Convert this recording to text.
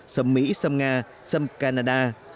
sâm mỹ sâm nga sâm canada